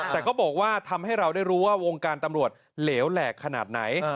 แต่ก็บอกว่าทำให้เราได้รู้ว่าวงการตำรวจเหลวแหลกขนาดไหน